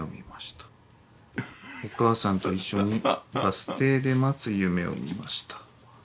お母さんといっしょにバス停で待つ夢を見ました。